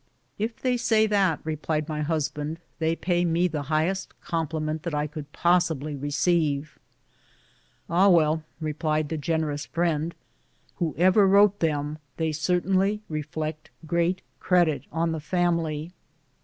" If they say that," replied my husband, " they pay me the highest compliment that I could possibly receive." " Ah, well," GENERAL CUSTER'S LITERARY WORK. 158 replied the generous friend, " whoever wrote them they certainly reflect great credit on the family."